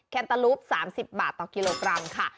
แนตาลูป๓๐บาทต่อกิโลกรัมค่ะ